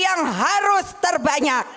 yang harus terbanyak